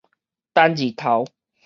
單字頭